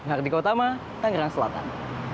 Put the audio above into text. nhardika utama tangerang selatan